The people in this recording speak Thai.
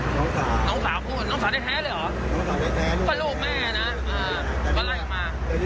น้องสาน้องสาได้แท้เลยเหรอ